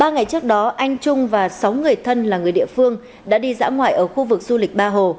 ba ngày trước đó anh trung và sáu người thân là người địa phương đã đi dã ngoại ở khu vực du lịch ba hồ